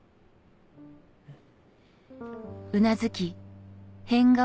うん。